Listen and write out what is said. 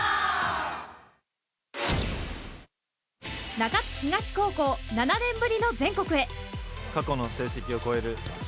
中津東高校、７年ぶりの全国へ。